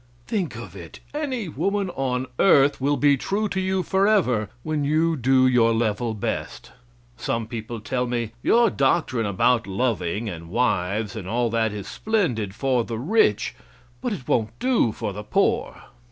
Think of it! Any woman on earth will be true to you forever when you do your level best. Some people tell me, "Your doctrine about loving, and wives, and all that is splendid for the rich, but it won't do for the poor."